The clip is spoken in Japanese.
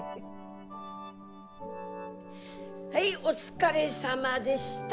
はい、お疲れさまでした。